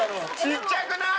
ちっちゃくない？